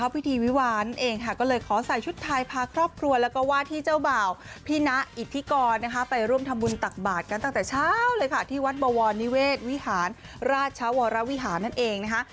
พิธีวิวาลนั่นเองค่ะก็เลยขอใส่ชุดไทยพาครอบครัวแล้วก็ว่าที่เจ้าบ่าวพี่นะอิทธิกรนะคะไปร่วมทำบุญตักบาทกันตั้งแต่เช้าเลยค่ะที่วัดบวรนิเวศวิหารราชวรวิหารนั่นเองนะคะ